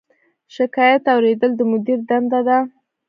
شکایت اوریدل د مدیر دنده ده